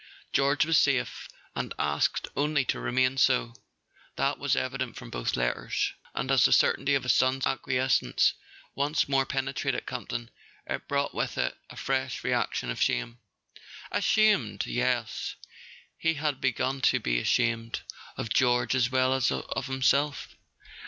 George was safe, and asked only to remain so: that was evident from both letters. And as the certainty of his son's acquiescence once more penetrated Campton it brought with it a fresh reaction of shame. Ashamed—yes, he had begun to be ashamed of George as well as of himself.